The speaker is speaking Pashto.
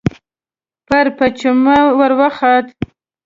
پر پېچومو ور وختو.